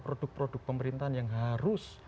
produk produk pemerintahan yang harus